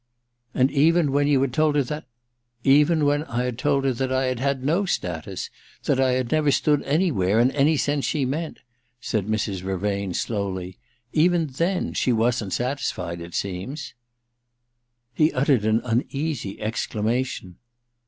*And even when you had told her that Even when I had told her that I had had no status — that I had never stood anywhere, in any sense she meant,* said Mrs. Vervain, slowly — *even then she wasn't satisfied, it seems,' ) 276 THE DILETTANTE He uttered an uneasy exclamation.